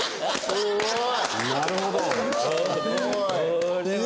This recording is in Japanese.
すごい！